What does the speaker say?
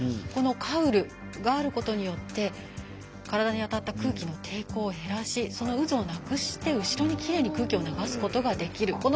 このカウルがあることによって体に当たった空気の抵抗を減らしその渦をなくして、後ろにきれいに空気を流すことができる。